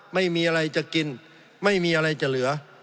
ไม่มีอะไรจะกินไม่มีอะไรจะเหลือ